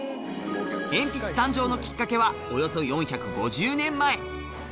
鉛筆誕生のきっかけは、およそ４５０年前。